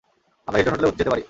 আমরা হিলটন হোটেলে যেতে পারি।